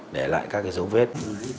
để lại các dấu vết